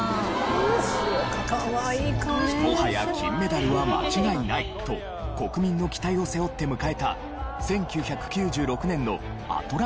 もはや金メダルは間違いないと国民の期待を背負って迎えた１９９６年のアトランタオリンピック。